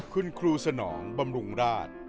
คุณครูสนองบำรุงราช